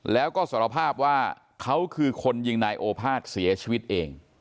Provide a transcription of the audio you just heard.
แล้วก็สารภาพว่าเขาคือคนยิงนายโอภาษเสียชีวิตเอง